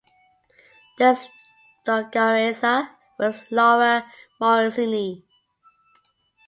His dogaressa was Laura Morozini.